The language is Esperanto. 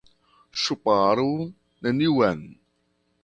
Ŝparu neniun!